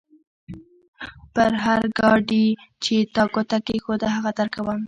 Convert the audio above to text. پر هر ګاډي چې تا ګوته کېښوده؛ هغه درکوم.